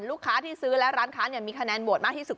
ลูกค้าที่ซื้อและร้านค้ามีคะแนนโหวตมากที่สุด